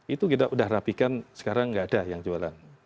itu kita sudah rapikan sekarang nggak ada yang jualan